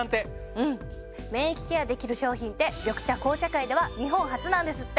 うん免疫ケアできる商品って緑茶・紅茶界では日本初なんですって。